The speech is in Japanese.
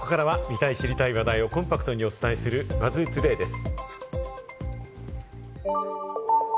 ここからは見たい知りたい話題をコンパクトにお伝えする、ＢＵＺＺトゥデイです。